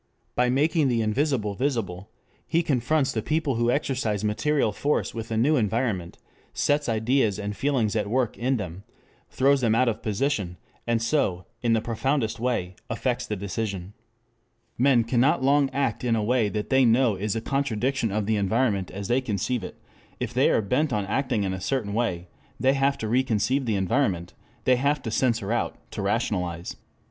By making the invisible visible, he confronts the people who exercise material force with a new environment, sets ideas and feelings at work in them, throws them out of position, and so, in the profoundest way, affects the decision. Men cannot long act in a way that they know is a contradiction of the environment as they conceive it. If they are bent on acting in a certain way they have to reconceive the environment, they have to censor out, to rationalize.